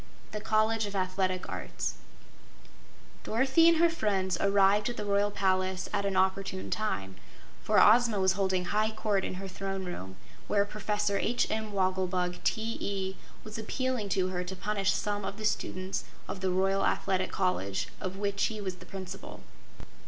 The College of Athletic Arts Dorothy and her friends arrived at the Royal Palace at an opportune time, for Ozma was holding high court in her Throne Room, where Professor H. M. Wogglebug, T.E., was appealing to her to punish some of the students of the Royal Athletic College, of which he was the Principal.